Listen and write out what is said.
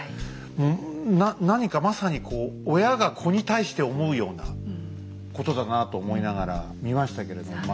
うん何かまさにこう親が子に対して思うようなことだなと思いながら見ましたけれどまあ